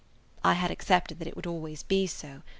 I had accepted that it would always be so.